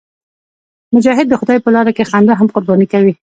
مجاهد د خدای په لاره کې خندا هم قرباني کوي.